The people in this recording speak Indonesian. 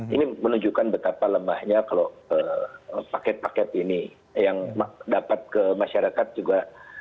ini menunjukkan betapa lemahnya kalau paket paket ini yang dapat ke masyarakat juga